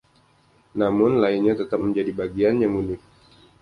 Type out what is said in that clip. Namun, lainnya tetap menjadi bagian yang unik.